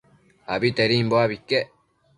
Abitedimbo abi iquec